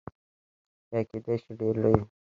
یا کیدای شي ډیر لوی وي.